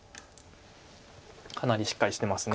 かなりしっかりしてます。